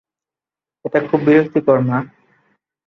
এটা খুব বিরক্তিকর, মা।